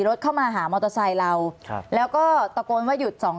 รถเข้ามาหามอเตอร์ไซค์เราครับแล้วก็ตะโกนว่าหยุดสอง